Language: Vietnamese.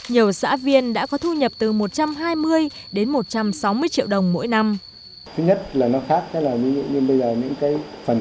nhiều xã viên đã có thu nhập từ một trăm hai mươi đến một trăm sáu mươi triệu đồng mỗi năm